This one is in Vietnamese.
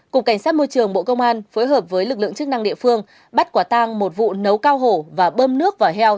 cục cảnh sát môi trường bộ công an phối hợp với lực lượng chức năng địa phương bắt quả tang một vụ nấu cao hổ và bơm nước vỏ heo